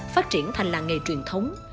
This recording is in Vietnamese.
phát triển thành làng nghề truyền thống